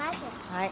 はい。